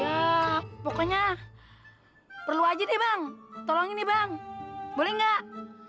ah pokoknya perlu aja deh bang tolong ini bang boleh nggak